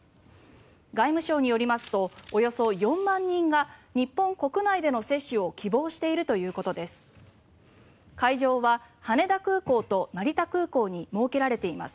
外務省によりますとおよそ４万人が日本国内での接種を希望しているということです。